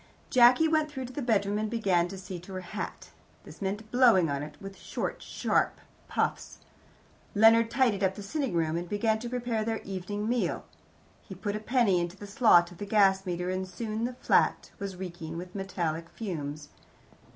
Jacky went through to the bedroom, and began to see to her hat. This meant blowing at it with short sharp puffs. Leonard tidied up the sitting room, and began to prepare their evening meal. He put a penny into the slot of the gas meter, and soon the flat was reeking with metallic fumes.